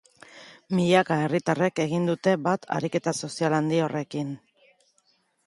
Milaka herritarrek egin dute bat ariketa sozial handi horrekin.